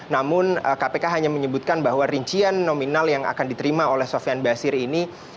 namun kpk hanya menyebutkan bahwa rincian nominal yang akan diterima oleh sofian basir ini